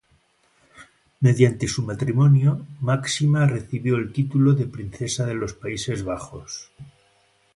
Mediante su matrimonio, Máxima recibió el título de Princesa de los Países Bajos.